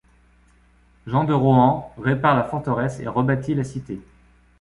Jean de Rohan répare la forteresse et rebâtit la cité.